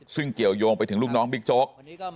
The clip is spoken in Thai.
ซึ่งเกี่ยวยงไปถึงลูกน้องบิ๊กโจ๊ก